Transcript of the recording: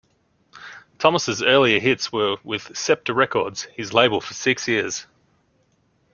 Thomas's earlier hits were with Scepter Records, his label for six years.